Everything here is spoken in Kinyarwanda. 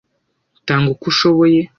tanga uko ushoboye